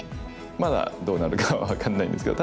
まだどうなるかは分かんないんですけど。